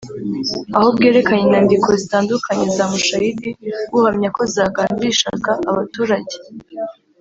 aho bwerekanye inyandiko zitandukanye za Mushayidi buhamya ko zagandishaga abaturage